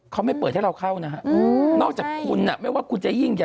เขาไม่เปิดให้เราเข้านะฮะ